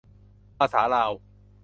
ภาษาลาว